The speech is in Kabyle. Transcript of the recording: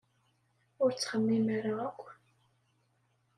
Ur ttxemmim ara akk.